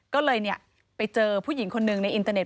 ก็เลยไปเจอผู้หญิงคนหนึ่งในอินเตอร์เน็